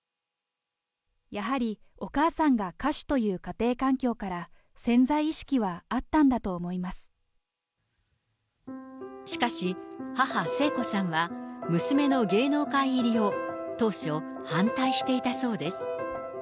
やはりお母さんが歌手という家庭環境から、しかし、母、聖子さんは、娘の芸能界入りを当初、反対していたそうです。